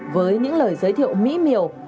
với những lời giới thiệu mỹ miều